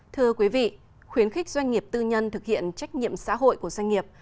thưa quý vị khuyến khích doanh nghiệp tư nhân thực hiện trách nhiệm xã hội của doanh nghiệp